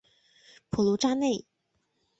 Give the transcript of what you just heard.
普卢扎内。